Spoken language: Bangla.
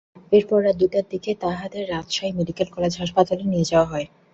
এরপর রাত দুইটার দিকে তাঁদের রাজশাহী মেডিকেল কলেজ হাসপাতালে নিয়ে যাওয়া হয়।